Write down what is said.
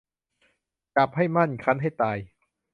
จับให้มั่นคั้นให้ตาย